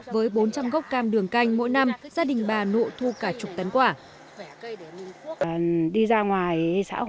với bốn trăm linh gốc cam đường canh mỗi năm gia đình bà nụ thu cả chục tấn quả